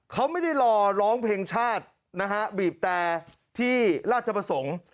เขาไม่ได้รอร้องเพลงชาตินะฮะบีบแต่ที่ราชประสงค์